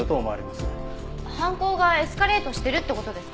犯行がエスカレートしてるって事ですか？